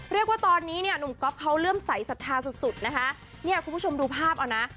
เรียกว่าตอนนี้เนี่ยหนุ่มก๊อฟเขาเลื่อมใสสัทธาสุดสุดนะคะเนี่ยคุณผู้ชมดูภาพเอานะ